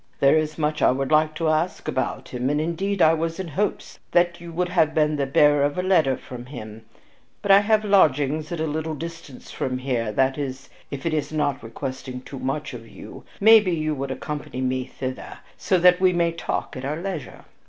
There is much I would like to ask about him, and, indeed, I was in hopes that you would have been the bearer of a letter from him. But I have lodgings at a little distance from here, so that if it is not requesting too much of you maybe you will accompany me thither, so that we may talk at our leisure.